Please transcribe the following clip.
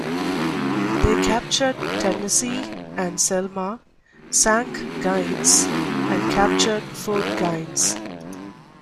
They captured "Tennessee" and "Selma", sank "Gaines", and captured Fort Gaines.